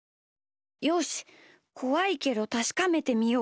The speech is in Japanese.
よしこわいけどたしかめてみよう。